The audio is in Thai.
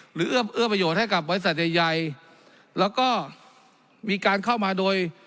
เอื้อประโยชน์ให้กับบริษัทใหญ่ใหญ่แล้วก็มีการเข้ามาโดย